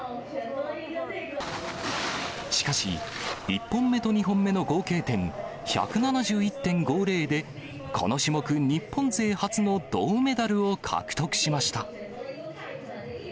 しかし、１本目と２本目の合計点１７１．５０で、この種目、日本勢初の銅メダルを獲得しました。